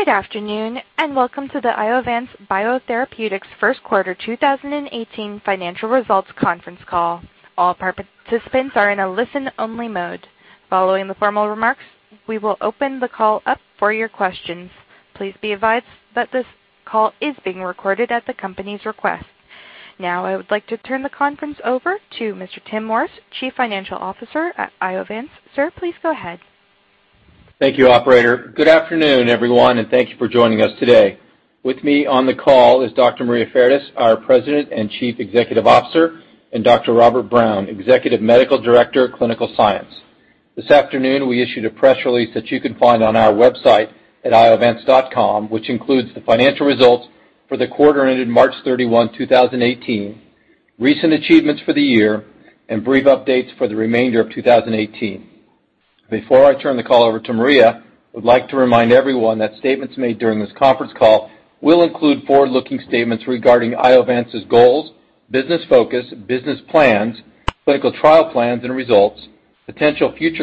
Good afternoon, welcome to the Iovance Biotherapeutics First Quarter 2018 financial results conference call. All participants are in a listen-only mode. Following the formal remarks, we will open the call up for your questions. Please be advised that this call is being recorded at the company's request. Now, I would like to turn the conference over to Mr. Timothy Morris, Chief Financial Officer at Iovance. Sir, please go ahead. Thank you, operator. Good afternoon, everyone, thank you for joining us today. With me on the call is Dr. Maria Fardis, our President and Chief Executive Officer, and Dr. Robert Brown, Executive Medical Director, Clinical Science. This afternoon, we issued a press release that you can find on our website at iovance.com, which includes the financial results for the quarter ended March 31, 2018, recent achievements for the year, and brief updates for the remainder of 2018. Before I turn the call over to Maria, I would like to remind everyone that statements made during this conference call will include forward-looking statements regarding Iovance's goals, business focus, business plans, clinical trial plans and results, potential future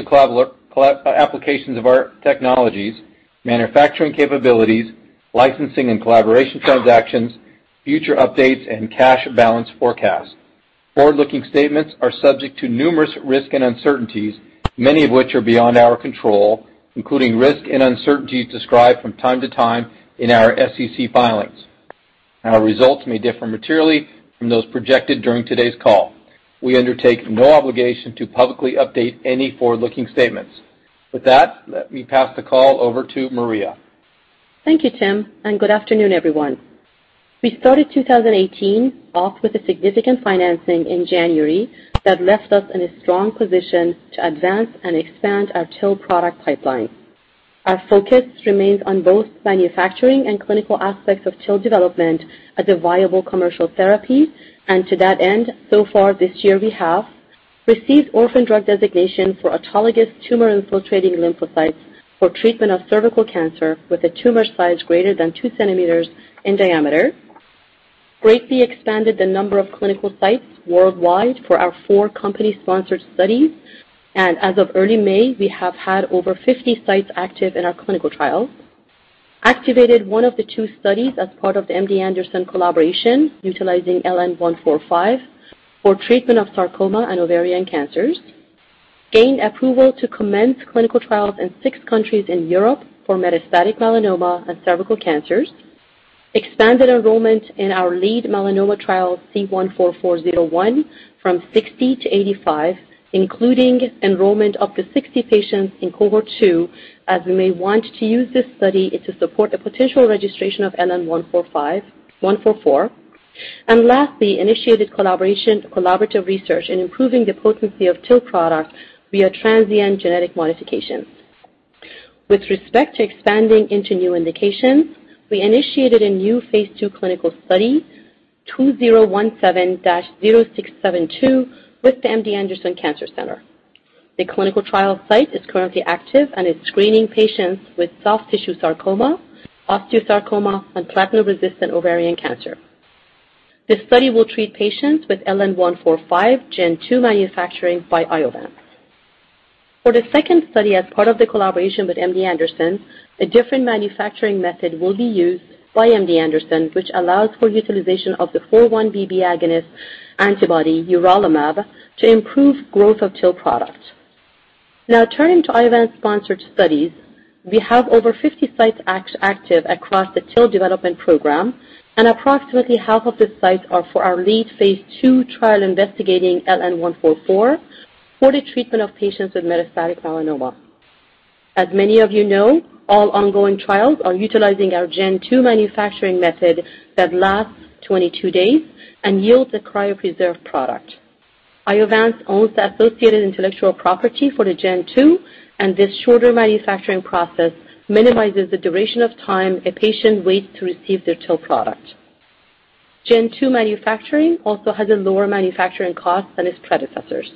applications of our technologies, manufacturing capabilities, licensing and collaboration transactions, future updates, and cash balance forecast. Forward-looking statements are subject to numerous risks and uncertainties, many of which are beyond our control, including risks and uncertainties described from time to time in our SEC filings. Our results may differ materially from those projected during today's call. We undertake no obligation to publicly update any forward-looking statements. With that, let me pass the call over to Maria. Thank you, Tim, good afternoon, everyone. We started 2018 off with a significant financing in January that left us in a strong position to advance and expand our TIL product pipeline. Our focus remains on both manufacturing and clinical aspects of TIL development as a viable commercial therapy. To that end, so far this year, we have received Orphan Drug Designation for autologous tumor-infiltrating lymphocytes for treatment of cervical cancer with a tumor size greater than two centimeters in diameter, greatly expanded the number of clinical sites worldwide for our four company-sponsored studies. As of early May, we have had over 50 sites active in our clinical trials, activated one of the two studies as part of the MD Anderson collaboration utilizing LN-145 for treatment of sarcoma and ovarian cancers, gained approval to commence clinical trials in six countries in Europe for metastatic melanoma and cervical cancers, expanded enrollment in our lead melanoma trial C-144-01 from 60 to 85, including enrollment of the 60 patients in cohort 2, as we may want to use this study to support a potential registration of LN-144, and lastly, initiated collaborative research in improving the potency of TIL product via transient genetic modifications. With respect to expanding into new indications, we initiated a new Phase II clinical study, 2017-0672, with the MD Anderson Cancer Center. The clinical trial site is currently active and is screening patients with soft tissue sarcoma, osteosarcoma, and platinum-resistant ovarian cancer. This study will treat patients with LN-145 Gen 2 manufacturing by Iovance. For the second study as part of the collaboration with MD Anderson, a different manufacturing method will be used by MD Anderson, which allows for utilization of the 4-1BB agonist antibody urelumab to improve growth of TIL product. Turning to Iovance-sponsored studies, we have over 50 sites active across the TIL development program, and approximately half of the sites are for our lead Phase II trial investigating LN-144 for the treatment of patients with metastatic melanoma. As many of you know, all ongoing trials are utilizing our Gen 2 manufacturing method that lasts 22 days and yields a cryopreserved product. Iovance owns the associated intellectual property for the Gen 2, and this shorter manufacturing process minimizes the duration of time a patient waits to receive their TIL product. Gen 2 manufacturing also has a lower manufacturing cost than its predecessors.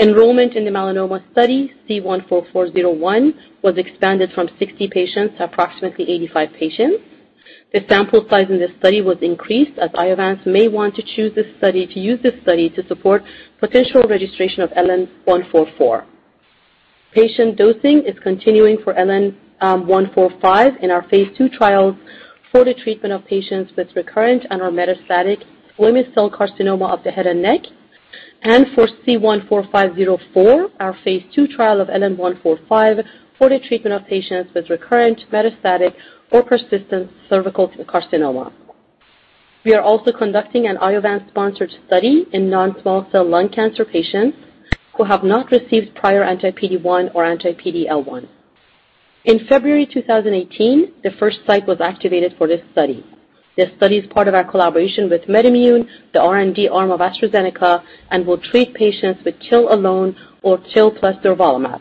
Enrollment in the melanoma study, C-144-01, was expanded from 60 patients to approximately 85 patients. The sample size in this study was increased as Iovance may want to use this study to support potential registration of LN-144. Patient dosing is continuing for LN-145 in our Phase II trials for the treatment of patients with recurrent and/or metastatic squamous cell carcinoma of the head and neck, and for C-145-04, our Phase II trial of LN-145 for the treatment of patients with recurrent, metastatic, or persistent cervical carcinoma. We are also conducting an Iovance-sponsored study in non-small cell lung cancer patients who have not received prior anti-PD-1 or anti-PD-L1. In February 2018, the first site was activated for this study. This study is part of our collaboration with MedImmune, the R&D arm of AstraZeneca, and will treat patients with TIL alone or TIL plus durvalumab.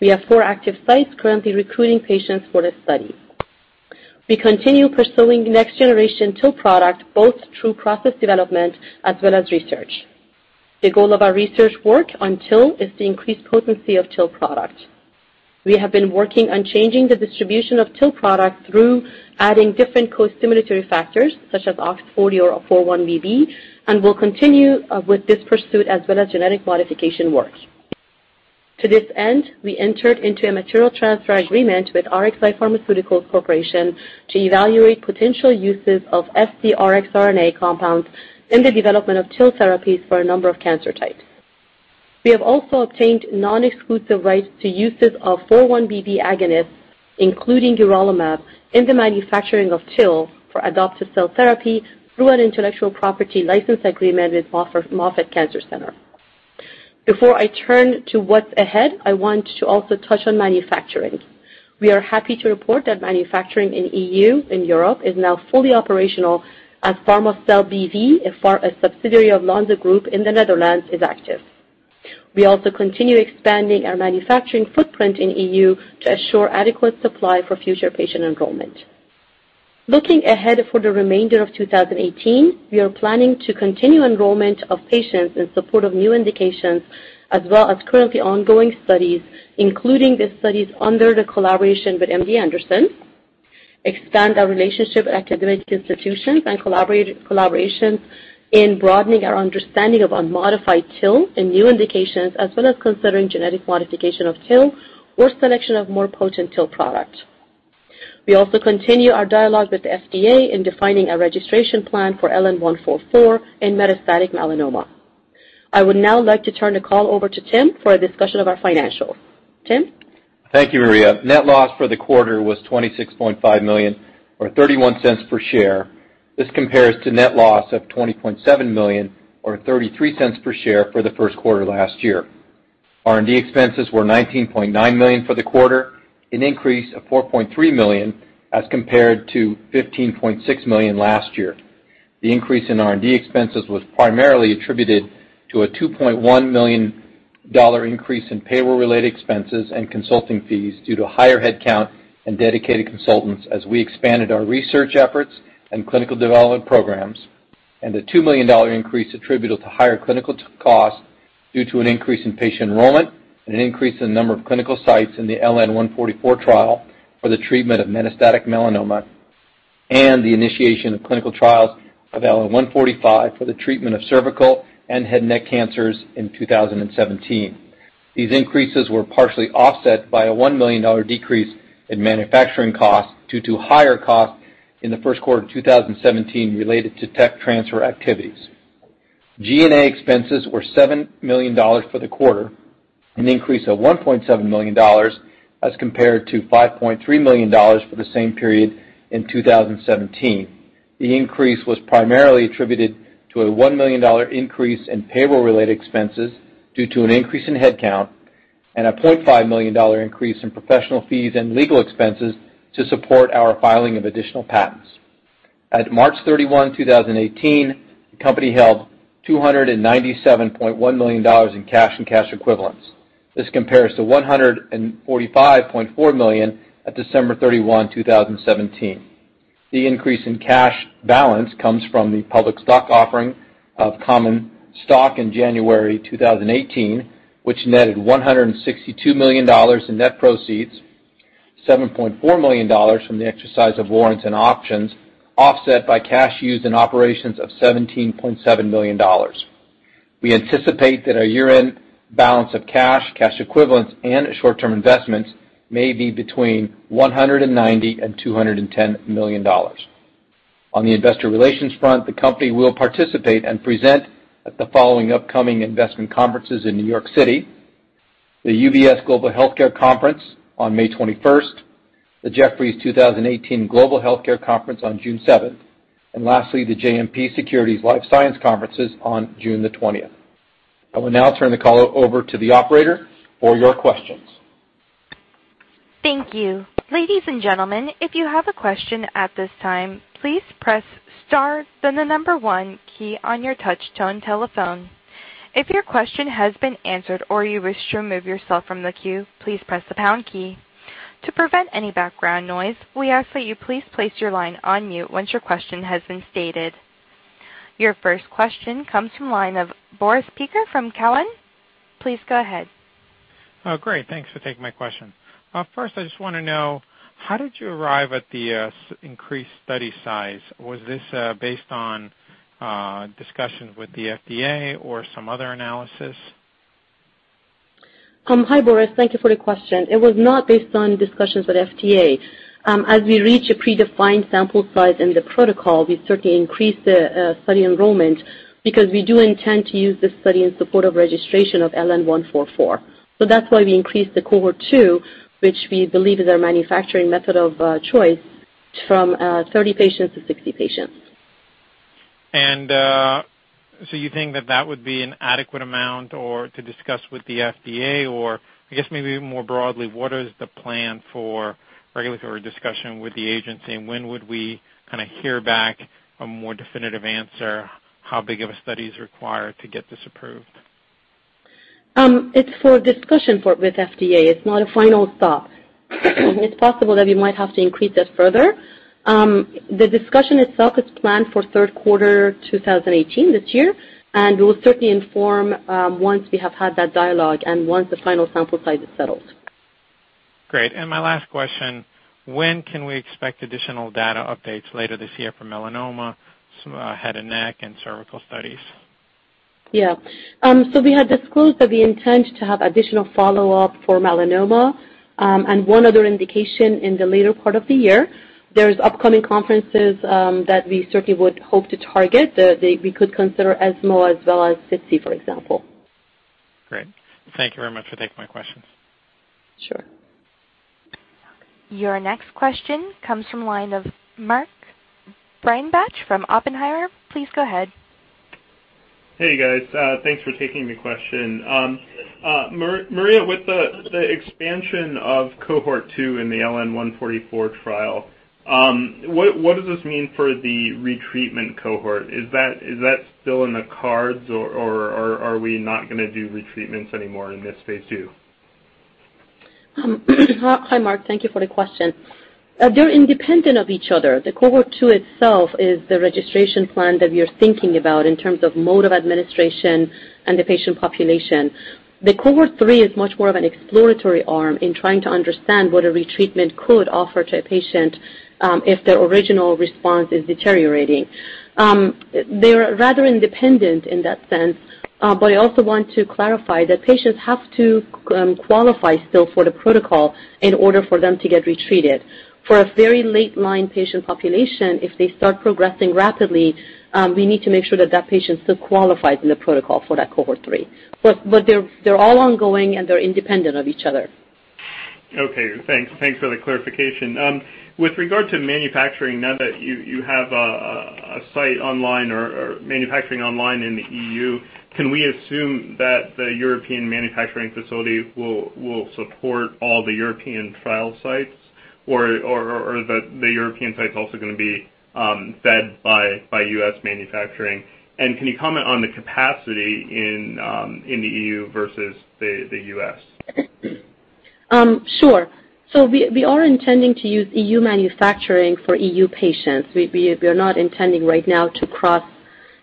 We have four active sites currently recruiting patients for this study. We continue pursuing next generation TIL product, both through process development as well as research. The goal of our research work on TIL is to increase potency of TIL product. We have been working on changing the distribution of TIL product through adding different costimulatory factors such as OX40 or 4-1BB, and will continue with this pursuit as well as genetic modification work. To this end, we entered into a material transfer agreement with RXi Pharmaceuticals Corporation to evaluate potential uses of sd-rxRNA compounds in the development of TIL therapies for a number of cancer types. We have also obtained non-exclusive rights to uses of 4-1BB agonists, including durvalumab, in the manufacturing of TIL for adoptive cell therapy through an intellectual property license agreement with Moffitt Cancer Center. Before I turn to what's ahead, I want to also touch on manufacturing. We are happy to report that manufacturing in EU, in Europe, is now fully operational as PharmaCell B.V., a subsidiary of Lonza Group in the Netherlands, is active. We also continue expanding our manufacturing footprint in EU to assure adequate supply for future patient enrollment. Looking ahead for the remainder of 2018, we are planning to continue enrollment of patients in support of new indications, as well as currently ongoing studies, including the studies under the collaboration with MD Anderson, expand our relationship with academic institutions and collaborations in broadening our understanding of unmodified TIL and new indications, as well as considering genetic modification of TIL or selection of more potent TIL product. We also continue our dialogue with the FDA in defining a registration plan for LN-144 in metastatic melanoma. I would now like to turn the call over to Tim for a discussion of our financials. Tim? Thank you, Maria. Net loss for the quarter was $26.5 million, or $0.31 per share. This compares to net loss of $20.7 million, or $0.33 per share for the first quarter last year. R&D expenses were $19.9 million for the quarter, an increase of $4.3 million as compared to $15.6 million last year. The increase in R&D expenses was primarily attributed to a $2.1 million increase in payroll-related expenses and consulting fees due to higher headcount and dedicated consultants as we expanded our research efforts and clinical development programs, a $2 million increase attributable to higher clinical costs due to an increase in patient enrollment, and an increase in number of clinical sites in the LN-144 trial for the treatment of metastatic melanoma, and the initiation of clinical trials of LN-145 for the treatment of cervical and head neck cancers in 2017. These increases were partially offset by a $1 million decrease in manufacturing costs due to higher costs in the first quarter of 2017 related to tech transfer activities. G&A expenses were $7 million for the quarter, an increase of $1.7 million as compared to $5.3 million for the same period in 2017. The increase was primarily attributed to a $1 million increase in payroll-related expenses due to an increase in headcount and a $0.5 million increase in professional fees and legal expenses to support our filing of additional patents. At March 31, 2018, the company held $297.1 million in cash and cash equivalents. This compares to $145.4 million at December 31, 2017. The increase in cash balance comes from the public stock offering of common stock in January 2018, which netted $162 million in net proceeds, $7.4 million from the exercise of warrants and options, offset by cash used in operations of $17.7 million. We anticipate that our year-end balance of cash equivalents, and short-term investments may be between $190 million and $210 million. On the investor relations front, the company will participate and present at the following upcoming investment conferences in New York City: The UBS Global Healthcare Conference on May 21st, the Jefferies 2018 Global Healthcare Conference on June 7th, and lastly, the JMP Securities Life Science Conferences on June the 20th. I will now turn the call over to the operator for your questions. Thank you. Ladies and gentlemen, if you have a question at this time, please press star, then the number one key on your touch tone telephone. If your question has been answered or you wish to remove yourself from the queue, please press the pound key. To prevent any background noise, we ask that you please place your line on mute once your question has been stated. Your first question comes from line of Boris Peaker from Cowen. Please go ahead. Oh, great. Thanks for taking my question. First, I just want to know, how did you arrive at the increased study size? Was this based on discussions with the FDA or some other analysis? Hi, Boris. Thank you for the question. It was not based on discussions with FDA. As we reach a predefined sample size in the protocol, we certainly increased the study enrollment because we do intend to use this study in support of registration of LN-144. That's why we increased the cohort 2, which we believe is our manufacturing method of choice, from 30 patients to 60 patients. You think that that would be an adequate amount or to discuss with the FDA or I guess maybe even more broadly, what is the plan for regulatory discussion with the agency, and when would we kind of hear back a more definitive answer how big of a study is required to get this approved? It's for discussion with FDA. It's not a final thought. It's possible that we might have to increase it further. The discussion itself is planned for third quarter 2018, this year, and we'll certainly inform once we have had that dialogue and once the final sample size is settled. Great. My last question, when can we expect additional data updates later this year for melanoma, head and neck, and cervical studies? Yeah. We had disclosed that we intend to have additional follow-up for melanoma, and one other indication in the later part of the year. There's upcoming conferences that we certainly would hope to target. We could consider ESMO as well as SITC, for example. Great. Thank you very much for taking my questions. Sure. Your next question comes from the line of Mark Breidenbach from Oppenheimer. Please go ahead. Hey, guys. Thanks for taking the question. Maria, with the expansion of cohort 2 in the LN-144 trial, what does this mean for the retreatment cohort? Is that still in the cards, or are we not going to do retreatments anymore in this phase II? Hi, Mark. Thank you for the question. They're independent of each other. The cohort 2 itself is the registration plan that we are thinking about in terms of mode of administration and the patient population. The cohort 3 is much more of an exploratory arm in trying to understand what a retreatment could offer to a patient, if their original response is deteriorating. They're rather independent in that sense. I also want to clarify that patients have to qualify still for the protocol in order for them to get retreated. For a very late line patient population, if they start progressing rapidly, we need to make sure that that patient still qualifies in the protocol for that cohort 3. They're all ongoing, and they're independent of each other. Okay, thanks. Thanks for the clarification. With regard to manufacturing, now that you have a site online or manufacturing online in the EU, can we assume that the European manufacturing facility will support all the European trial sites? Or are the European sites also going to be fed by U.S. manufacturing? Can you comment on the capacity in the EU versus the U.S.? Sure. We are intending to use EU manufacturing for EU patients. We are not intending right now to cross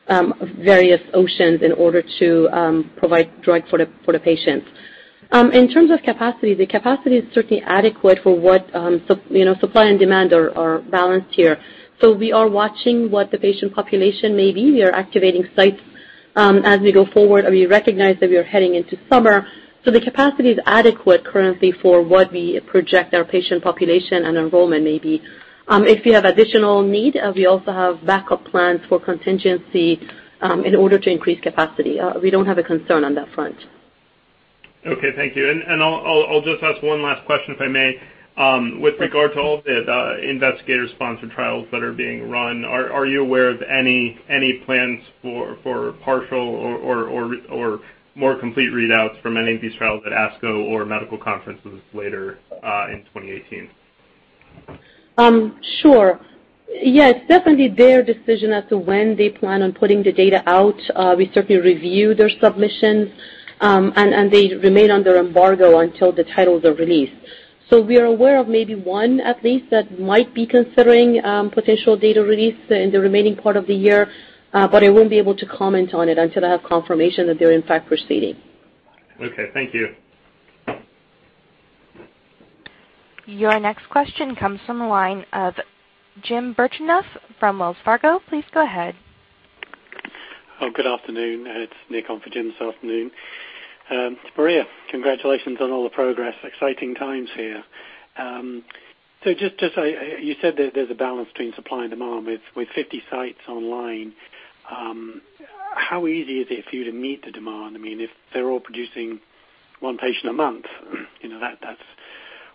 various oceans in order to provide drug for the patients. In terms of capacity, the capacity is certainly adequate for what. Supply and demand are balanced here. We are watching what the patient population may be. We are activating sites as we go forward, we recognize that we are heading into summer, the capacity is adequate currently for what we project our patient population and enrollment may be. If we have additional need, we also have backup plans for contingency, in order to increase capacity. We don't have a concern on that front. Okay, thank you. I'll just ask one last question, if I may. With regard to all the investigator-sponsored trials that are being run, are you aware of any plans for partial or more complete readouts from any of these trials at ASCO or medical conferences later in 2018? Sure. Yeah, it's definitely their decision as to when they plan on putting the data out. We certainly review their submissions, they remain under embargo until the titles are released. We are aware of maybe one at least that might be considering potential data release in the remaining part of the year. I won't be able to comment on it until I have confirmation that they're in fact proceeding. Okay, thank you. Your next question comes from the line of Jim Birchenough from Wells Fargo. Please go ahead. Oh, good afternoon. It's Nick on for Jim this afternoon. Maria, congratulations on all the progress. Exciting times here. Just as you said, there's a balance between supply and demand. With 50 sites online, how easy is it for you to meet the demand? If they're all producing one patient a month, that's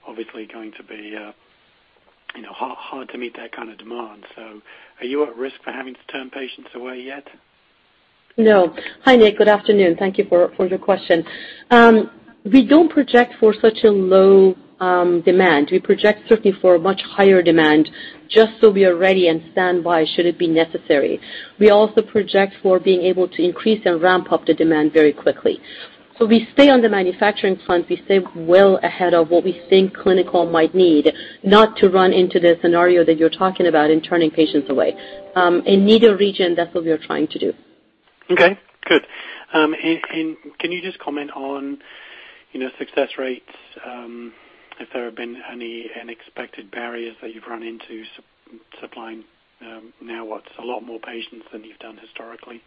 obviously going to be hard to meet that kind of demand. Are you at risk for having to turn patients away yet? No. Hi, Nick. Good afternoon. Thank you for your question. We don't project for such a low demand. We project certainly for a much higher demand, just so we are ready and stand by should it be necessary. We also project for being able to increase and ramp up the demand very quickly. We stay on the manufacturing front. We stay well ahead of what we think clinical might need, not to run into the scenario that you're talking about in turning patients away. In neither region, that's what we are trying to do. Okay, good. Can you just comment on success rates, if there have been any unexpected barriers that you've run into supplying now what's a lot more patients than you've done historically?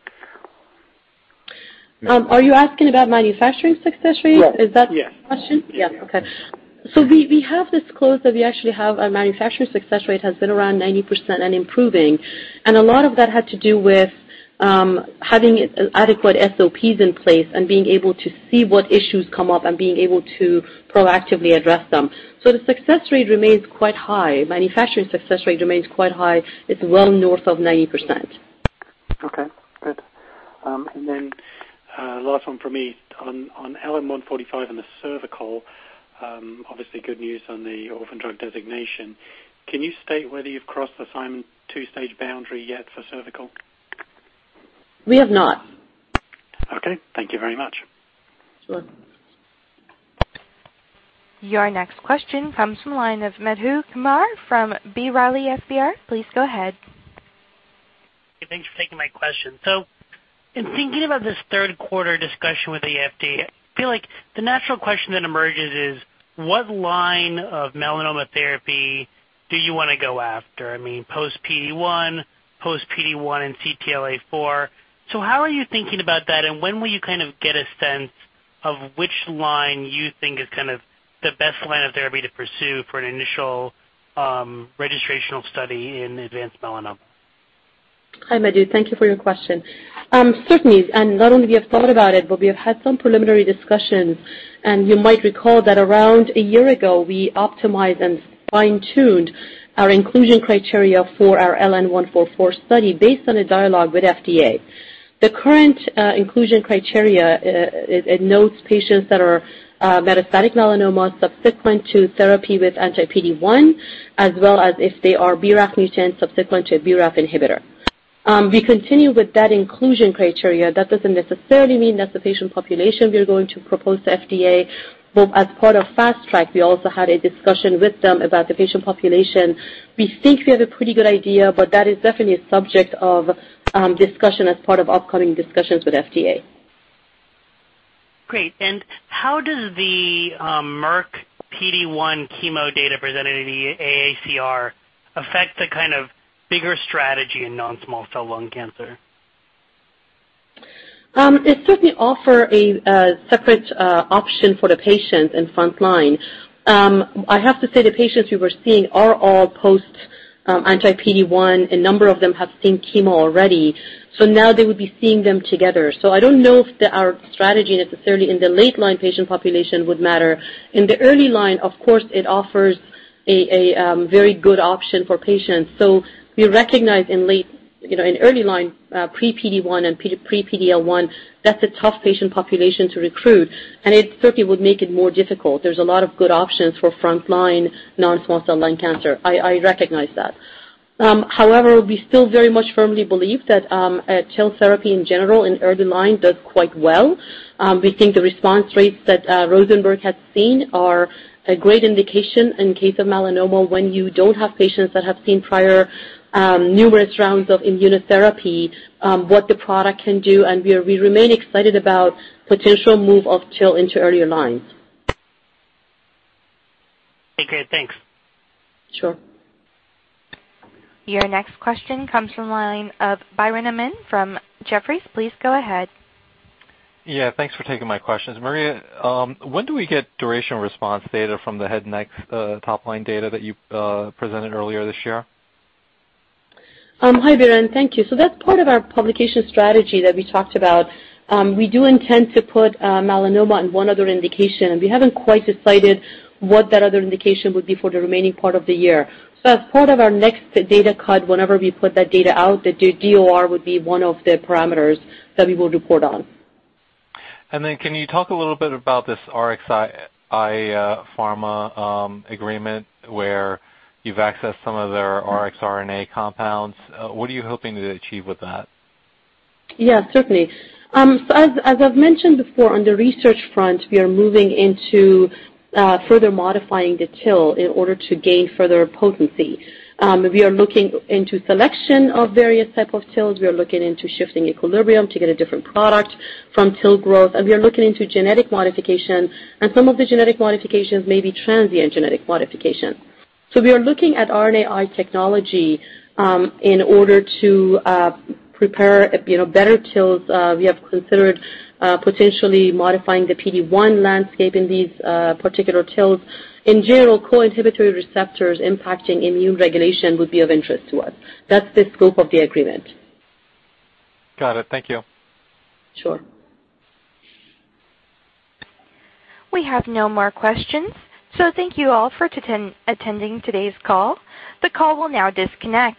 Are you asking about manufacturing success rates? Yes. Is that the question? Yeah. Yeah. Okay. We have disclosed that we actually have a manufacturing success rate, has been around 90% and improving. A lot of that had to do with having adequate SOPs in place and being able to see what issues come up and being able to proactively address them. The success rate remains quite high. Manufacturing success rate remains quite high. It's well north of 90%. Last one from me. On LN-145 and the cervical, obviously good news on the Orphan Drug Designation. Can you state whether you've crossed the Simon's 2-stage boundary yet for cervical? We have not. Okay, thank you very much. Sure. Your next question comes from the line of Madhu Kumar from B. Riley FBR. Please go ahead. Thanks for taking my question. In thinking about this third quarter discussion with the FDA, I feel like the natural question that emerges is what line of melanoma therapy do you want to go after? I mean, post PD-1, post PD-1 and CTLA-4. How are you thinking about that, and when will you get a sense of which line you think is the best line of therapy to pursue for an initial registrational study in advanced melanoma? Hi, Madhu. Thank you for your question. Certainly. Not only have we thought about it, but we have had some preliminary discussions. You might recall that around a year ago, we optimized and fine-tuned our inclusion criteria for our LN-144 study based on a dialogue with FDA. The current inclusion criteria, it notes patients that are metastatic melanoma subsequent to therapy with anti-PD-1, as well as if they are BRAF mutant subsequent to BRAF inhibitor. We continue with that inclusion criteria. That doesn't necessarily mean that's the patient population we are going to propose to FDA, but as part of Fast Track, we also had a discussion with them about the patient population. We think we have a pretty good idea, but that is definitely a subject of discussion as part of upcoming discussions with FDA. Great. How does the Merck PD-1 chemo data presented in the AACR affect the kind of bigger strategy in non-small cell lung cancer? It certainly offers a separate option for the patient in front line. I have to say, the patients we were seeing are all post anti-PD-1. A number of them have seen chemo already. Now they would be seeing them together. I don't know if our strategy necessarily in the late line patient population would matter. In the early line, of course, it offers a very good option for patients. We recognize in early line pre PD-1 and pre PD-L1, that's a tough patient population to recruit, and it certainly would make it more difficult. There's a lot of good options for front line non-small cell lung cancer. I recognize that. However, we still very much firmly believe that TIL therapy in general in early line does quite well. We think the response rates that Rosenberg has seen are a great indication in case of melanoma when you don't have patients that have seen prior numerous rounds of immunotherapy, what the product can do, and we remain excited about potential move of TIL into earlier lines. Okay, great. Thanks. Sure. Your next question comes from the line of Biren Amin from Jefferies. Please go ahead. Yeah, thanks for taking my questions. Maria, when do we get duration response data from the head and neck top line data that you presented earlier this year? Hi, Biren. Thank you. That's part of our publication strategy that we talked about. We do intend to put melanoma and one other indication, we haven't quite decided what that other indication would be for the remaining part of the year. As part of our next data cut, whenever we put that data out, the DOR would be one of the parameters that we will report on. Can you talk a little bit about this RXi Pharmaceuticals agreement where you've accessed some of their RX RNA compounds? What are you hoping to achieve with that? Certainly. As I've mentioned before, on the research front, we are moving into further modifying the TIL in order to gain further potency. We are looking into selection of various type of TILs. We are looking into shifting equilibrium to get a different product from TIL growth. We are looking into genetic modification, some of the genetic modifications may be transient genetic modification. We are looking at RNAi technology in order to prepare better TILs. We have considered potentially modifying the PD-1 landscape in these particular TILs. In general, co-inhibitory receptors impacting immune regulation would be of interest to us. That's the scope of the agreement. Got it. Thank you. Sure. We have no more questions, so thank you all for attending today's call. The call will now disconnect.